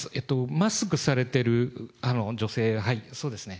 マスクされてる女性、そうですね。